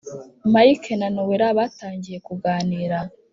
mike na nowela batangiye kuganira,